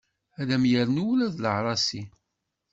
Ad am-yernu ula d leɛrasi.